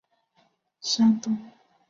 山东掖县人。